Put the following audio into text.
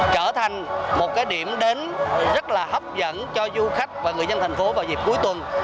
trở thành một điểm đến rất là hấp dẫn cho du khách và người dân tp hcm vào dịp cuối tuần